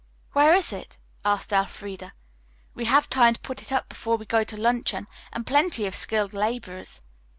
"Where is it?" asked Elfreda. "We have time to put it up before we go to luncheon, and plenty of skilled laborers."